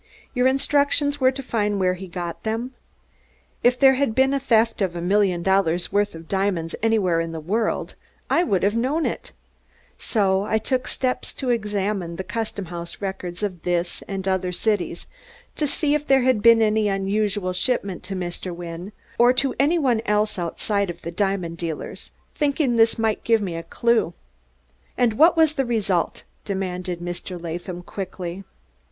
"Your instructions were to find where he got them. If there had been a theft of a million dollars' worth of diamonds anywhere in this world, I would have known it; so I took steps to examine the Custom House records of this and other cities to see if there had been an unusual shipment to Mr. Wynne, or to any one else outside of the diamond dealers, thinking this might give me a clew." "And what was the result?" demanded Mr. Latham quickly.